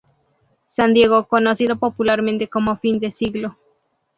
San Diego conocido popularmente como Fin de Siglo.